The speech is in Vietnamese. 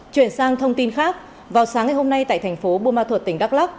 chuyển sang thông tin khác vào sáng ngày hôm nay tại thành phố bùa ma thuật tỉnh đắk lắk